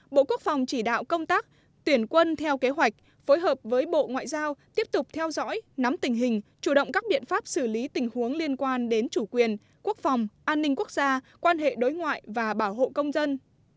bộ quốc phòng chỉ đạo công tác tuyển quân theo kế hoạch phối hợp với bộ ngoại giao tiếp tục theo dõi nắm tình hình chủ động các biện pháp xử lý tình huống liên quan đến chủ quyền quốc phòng an ninh quốc gia quan hệ đối ngoại và bảo hộ công dân